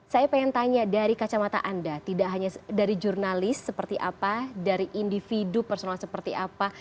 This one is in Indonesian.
saya ingin tanya dari kacamata anda tidak hanya dari jurnalis seperti apa dari individu personal seperti apa